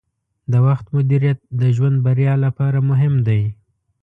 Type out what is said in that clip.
د وخت مدیریت د ژوند بریا لپاره مهم دی.